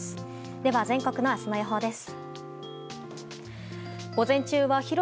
では、全国の明日の予報です。